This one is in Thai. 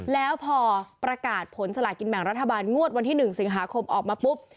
แล้วพอประกาศผลสลากินแบ่งรัฐบาลงวดวันที่๑สิงหาคมออกมาปุ๊บ